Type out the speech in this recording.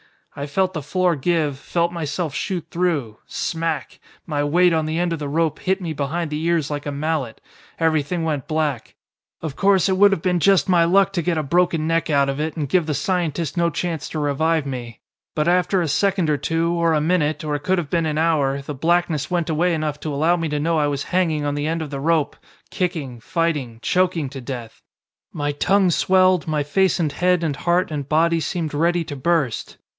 "I felt the floor give, felt myself shoot through. Smack! My weight on the end of the rope hit me behind the ears like a mallet. Everything went black. Of course it would have been just my luck to get a broken neck out of it and give the scientist no chance to revive me. But after a second or two, or a minute, or it could have been an hour, the blackness went away enough to allow me to know I was hanging on the end of the rope, kicking, fighting, choking to death. My tongue swelled, my face and head and heart and body seemed ready to burst.